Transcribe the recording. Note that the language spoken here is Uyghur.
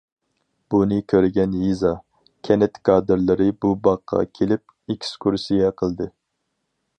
بۇنى كۆرگەن يېزا، كەنت كادىرلىرى بۇ باغقا كېلىپ، ئېكسكۇرسىيە قىلدى.